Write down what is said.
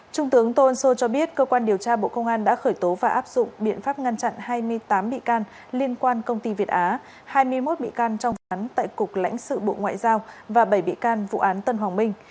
trung tướng tô ân sô cho biết cơ quan điều tra bộ công an đã khởi tố và áp dụng biện pháp ngăn chặn hai mươi tám bị can liên quan công ty việt á hai mươi một bị can trong án tại cục lãnh sự bộ ngoại giao và bảy bị can vụ án tân hoàng minh